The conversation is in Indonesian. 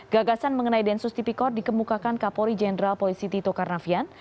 gagasan mengenai densus tipikor dikemukakan kapolri jenderal polisiti tokarnafian